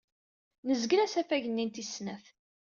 Nezgel asafag-nni n tis snat.